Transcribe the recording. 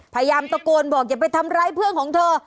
พยายามตะโกนบอกอย่าไปทำร้ายเพื่อนของเธอ